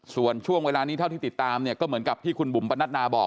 ส่วนช่วงเวลานี้เท่าที่ติดตามเนี่ยก็เหมือนกับที่คุณบุ๋มปนัดนาบอก